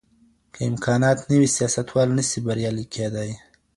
که امکانات نه وي سياستوال نسي بريالی کېدای.